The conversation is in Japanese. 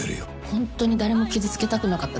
ホントに誰も傷つけたくなかっただけなの。